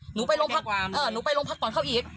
หนูไปลงพักเออหนูไปลงพักต่อเขาอีก